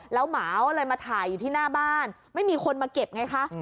แล้วหมาก็เลยมาถ่ายอยู่ที่หน้าบ้านไม่มีคนมาเก็บไงคะ